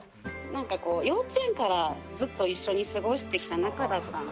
「なんかこう幼稚園からずっと一緒に過ごしてきた仲だったので」